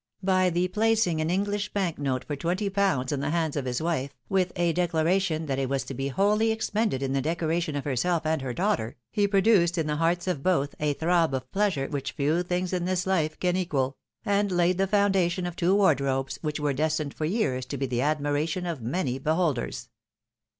By the placing an English bank note for twenty pounds in the hands of his wife, with a declaration, that it was to be wholly expended, in the decoration of herself and her daughter, he produced in the hearts of both a throb of pleasure which few things in this life can equal ; and laid the foundation of two wardrobes, which were destined for years to be the admiration of many beholders.